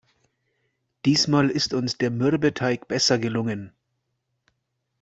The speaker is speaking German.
Diesmal ist uns der Mürbeteig besser gelungen.